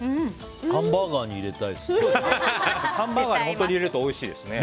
ハンバーガーに入れたいですね。